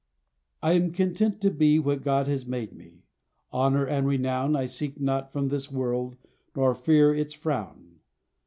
I am content to be What God has made me: honour and renown I seek not from this world, nor fear its frown.